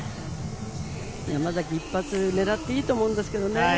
山崎、一発ねらっていいと思うんですけどね。